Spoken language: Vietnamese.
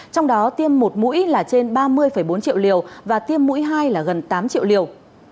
trong đó tiêm một mũi là trên ba mươi bốn triệu liều và tiêm mũi hai là gần tám triệu liều